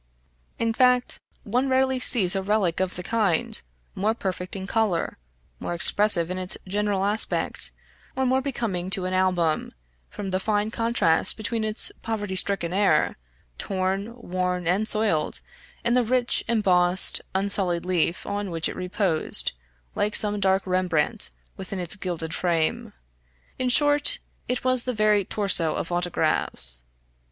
In fact, one rarely sees a relic of the kind, more perfect in color, more expressive in its general aspect, or more becoming to an album, from the fine contrast between its poverty stricken air, torn, worn, and soiled, and the rich, embossed, unsullied leaf on which it reposed, like some dark Rembrandt within its gilded frame. In short, it was the very Torso of autographs.